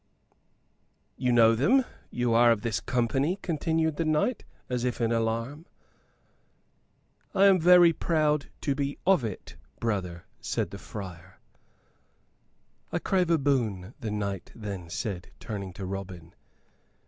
"You know them you are of this company?" continued the knight, as if in alarm. "I am very proud to be of it, brother," said the friar. "I crave a boon," the knight then said, turning to Robin.